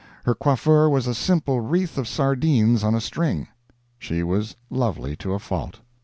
Her coiffure was a simple wreath of sardines on a string. She was lovely to a fault.